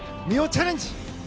美帆チャレンジ！